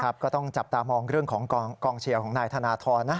ก็ต้องจับตามองเรื่องของกองเชียร์ของนายธนทรนะ